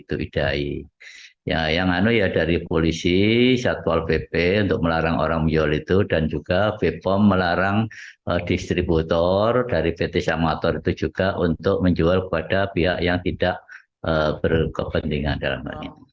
untuk melarang orang menyual itu dan juga bpom melarang distributor dari pt samator itu juga untuk menjual kepada pihak yang tidak berkepentingan dalam hal ini